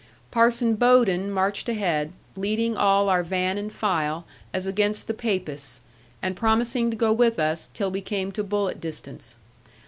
Parson Bowden marched ahead, leading all our van and file, as against the Papists; and promising to go with us, till we came to bullet distance.